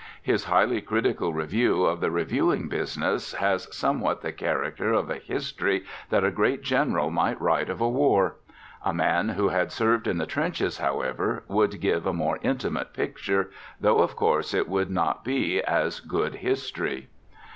His highly critical review of the reviewing business has somewhat the character of a history that a great general might write of a war. A man who had served in the trenches, however, would give a more intimate picture, though of course it would not be as good history.